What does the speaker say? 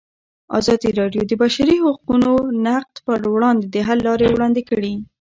ازادي راډیو د د بشري حقونو نقض پر وړاندې د حل لارې وړاندې کړي.